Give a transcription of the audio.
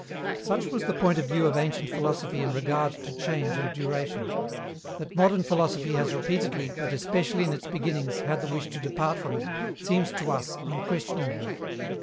Such was the point of view of ancient philosophy in regard to change and duration. That modern philosophy has repeatedly, but especially in its beginnings, had the wish to depart from it, seems to us unquestionable.